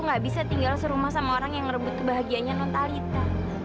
aku gak bisa tinggal di rumah sama orang yang merebut kebahagiaannya nontalita